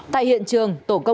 tại hiện trường